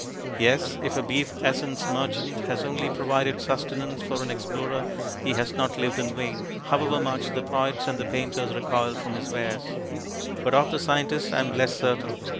Yes, if a Beef Essence Merchant has only provided sustenance for an Explorer he has not lived in vain, however much the poets and the painters recoil from his wares. But of the scientist I am less certain.